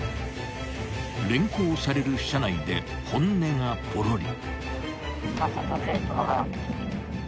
［連行される車内で本音がぽろり］